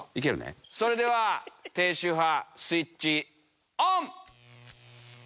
それでは低周波スイッチオン！